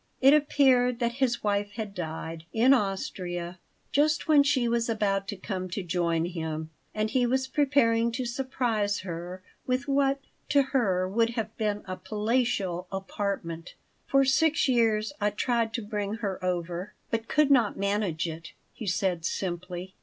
It appeared that his wife had died, in Austria, just when she was about to come to join him and he was preparing to surprise her with what, to her, would have been a palatial apartment "For six years I tried to bring her over, but could not manage it," he said, simply.